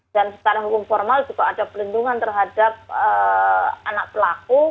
dan sekarang hukum formal juga ada perlindungan terhadap anak pelaku